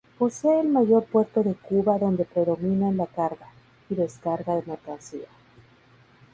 Posee el mayor puerto de Cuba donde predominan la carga y descarga de mercancía.